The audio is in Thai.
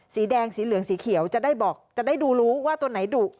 สีแดงสีเหลืองสีเขียวจะได้บอกจะได้ดูรู้ว่าตัวไหนดุ